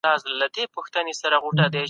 پکتیا کې خلک زڼغوزي په ژمي کې ورېته کوي.